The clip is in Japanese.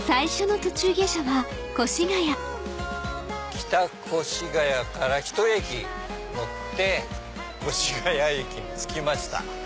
北越谷からひと駅乗って越谷駅に着きました。